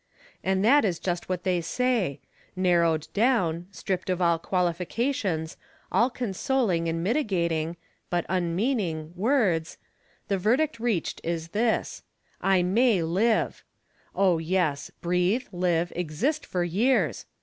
And that is just what they say — narrowed down, stripped of all qualifications, all consoling and mitigating (but unmeaning) words, the verdict reached is this : I may live ! Oh, yes — ^live, breathe, exist for years